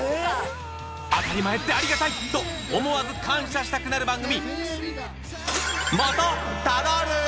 「当たり前ってありがたい！」と思わず感謝したくなる番組。